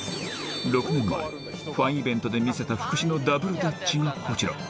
６年前ファンイベントで見せた福士のダブルダッチがこちら